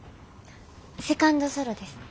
セカンド・ソロです。